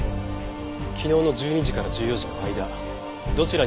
昨日の１２時から１４時の間どちらにいらっしゃいましたか？